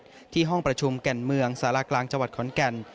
ในพระรบริมโกษที่ห้องประชุมแก่นเมืองศาลาคลังจคอนแก่น